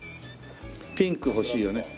ピンクほしいよね。